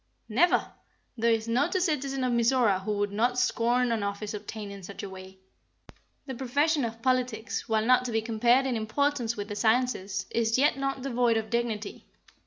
"Never! There is not a citizen of Mizora who would not scorn an office obtained in such a way. The profession of politics, while not to be compared in importance with the sciences, is yet not devoid of dignity.